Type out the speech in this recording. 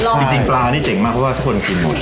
จริงปลานี่เจ๋งมากเพราะว่าทุกคนกินหมด